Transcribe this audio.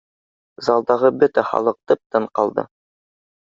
Залдағы бөтә халыҡ тып-тын ҡалды